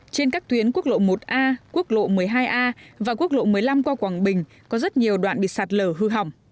trên các tuyến quốc lộ một a quốc lộ một mươi hai a và quốc lộ một mươi năm qua quảng bình có rất nhiều đoạn bị sạt lở hư hỏng